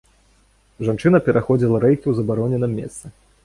Жанчына пераходзіла рэйкі ў забароненым месцы.